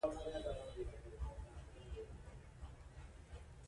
او که په يوه خاندې زه در څخه روپۍ اخلم.